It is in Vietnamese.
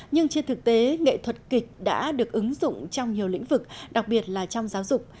nhưng trên thực tế nghệ thuật kịch đã được ứng dụng trong nhiều lĩnh vực đặc biệt là trong giáo dục